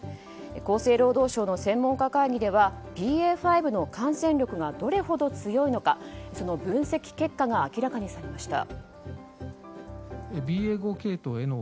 厚生労働省の専門家会議ではＢＡ．５の感染力がどれほど強いのかその分析結果が明らかにされました。